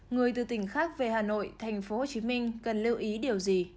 người từ tỉnh khác về hà nội thành phố hồ chí minh cần lưu ý điều gì